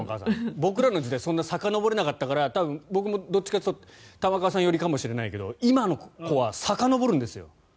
僕らの時代はさかのぼれなかったから僕もどっちかっていうと玉川さん寄りかもしれないけど今の子はさかのぼるんですよ。